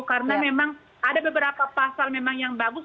karena memang ada beberapa pasal memang yang bagus